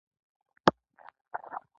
دومره ډېرې ودانۍ په کې ولاړې دي.